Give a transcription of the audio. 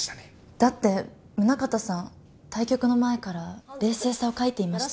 だって宗形さん対局の前から冷静さを欠いていました。